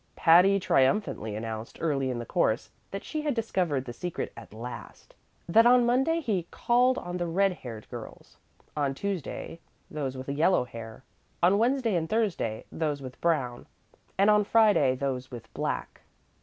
Patty triumphantly announced early in the course that she had discovered the secret at last that on Monday he called on the red haired girls; on Tuesday, those with yellow hair; on Wednesday and Thursday, those with brown; and on Friday, those with black.